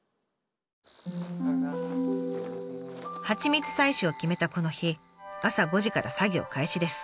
蜂蜜採取を決めたこの日朝５時から作業開始です。